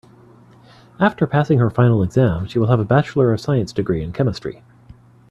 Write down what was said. After passing her final exam she will have a bachelor of science degree in chemistry.